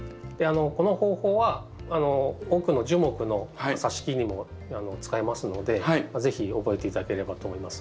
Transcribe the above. この方法は多くの樹木のさし木にも使えますので是非覚えて頂ければと思います。